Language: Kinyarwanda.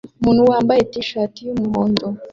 Umuntu wambaye t-shati yumuhondo